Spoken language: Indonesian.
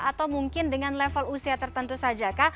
atau mungkin dengan level usia tertentu saja kah